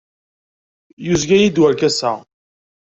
Yezga-iyi-d werkas-a.